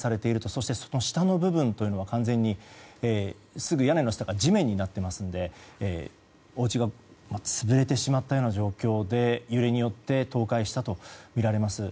そして、その下の部分は完全にすぐ屋根の下が地面になっていますのでおうちが潰れてしまったような状況で揺れによって倒壊したとみられます。